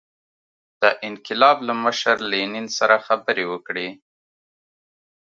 د انقلاب له مشر لینین سره خبرې وکړي.